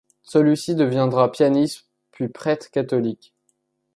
Celui-ci deviendra pianiste puis prêtre catholique.